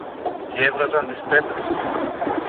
κι έβγαζαν τις πέτρες